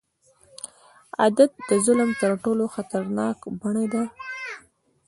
عادت د ظلم تر ټولو خطرناک بڼې ده.